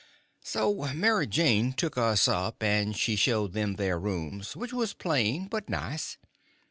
So Mary Jane took us up, and she showed them their rooms, which was plain but nice.